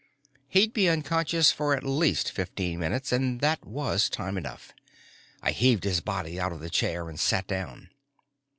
He'd be unconscious for at least fifteen minutes and that was time enough. I heaved his body out of the chair and sat down.